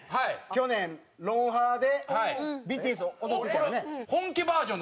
去年『ロンハー』でＢＴＳ踊ってたよね？